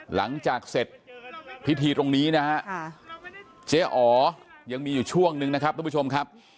หลังจากเสร็จพิธีตรงนี้นะฮะเจ๊อ๋อยังมีอยู่ช่วงนึงนะครับทุกผู้ชมครับ